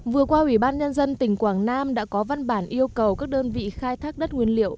vừa qua ủy ban nhân dân tỉnh quảng nam đã có văn bản yêu cầu các đơn vị khai thác đất nguyên liệu